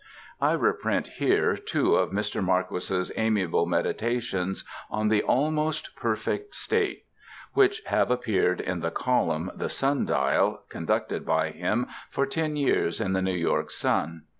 I reprint here two of Mr. Marquis's amiable meditations on the "Almost Perfect State," which have appeared in the column (The Sun Dial) conducted by him for ten years in the New York Sun.